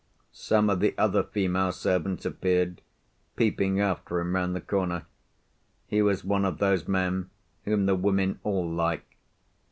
Some of the other female servants appeared, peeping after him round the corner. He was one of those men whom the women all like.